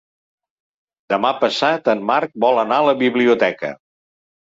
Demà passat en Marc vol anar a la biblioteca.